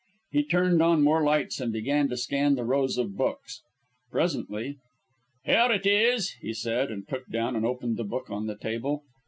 He turned on more lights and began to scan the rows of books. Presently "Here it is," he said, and took down and opened the book on the table.